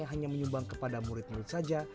hanya menyumbang kepada murid murid saja